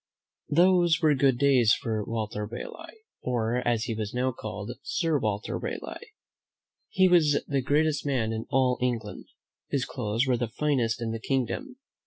Those were good days for Walter Raleigh, or, as he was now called. Sir Walter Raleigh. He was the greatest man in all England. His clothes were the finest in the kingdom.